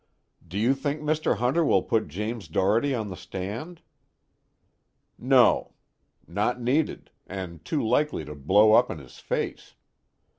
"Do you think Mr. Hunter will put James Doherty on the stand?" "No. Not needed, and too likely to blow up in his face.